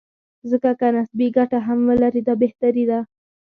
ځکه که نسبي ګټه هم ولري، دا بهتري ده.